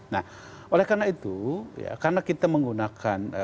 nah oleh karena itu ya karena kita menggunakan